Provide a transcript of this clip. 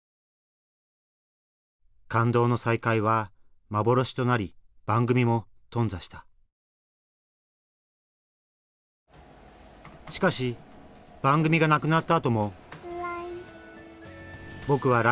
感動の再会は幻となり番組も頓挫したしかし番組がなくなったあとも「ＬＩＮＥ！」。